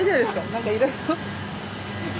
何かいろいろ。